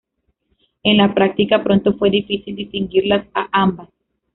En la práctica, pronto fue difícil distinguirlas a ambas.